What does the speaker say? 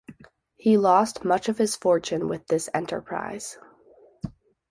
He lost much of his fortune with this enterprise.